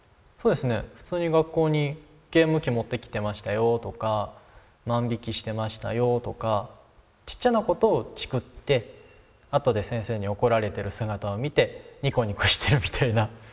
普通に学校にゲーム機持ってきてましたよとか万引きしてましたよとかちっちゃなことをチクってあとで先生に怒られてる姿を見てニコニコしてるみたいな。